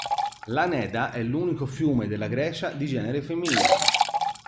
La Neda è l'unico fiume della Grecia di genere femminile.